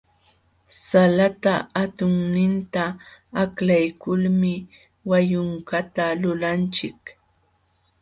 Salata hatunninta aklaykulmi wayunkata lulanchik.